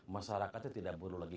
masyarakatnya tidak perlu lagi